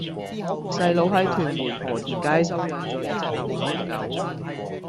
細佬喺屯門河田街收養左一隻流浪狗